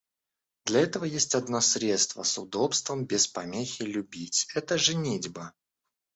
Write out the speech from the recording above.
Для этого есть одно средство с удобством без помехи любить — это женитьба.